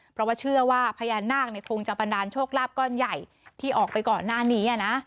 เพราะว่าเชื่อว่าพญานาคคงจะบันดาลโชคลาภก้อนใหญ่ที่ออกไปก่อนหน้านี้นะ